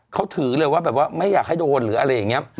เขาถือเลยว่าแบบว่าไม่อยากให้โดนหรืออะไรอย่างนี้